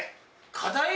課題？